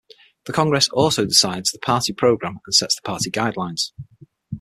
The congress also decides the party program and sets the party guidelines.